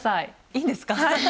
いいんですか？